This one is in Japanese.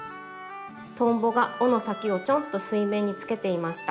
「トンボが尾の先をチョンっと水面につけていました。